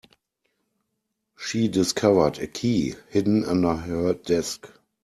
She discovered a key hidden under her desk.